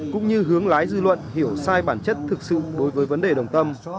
cũng như hướng lái dư luận hiểu sai bản chất thực sự đối với vấn đề đồng tâm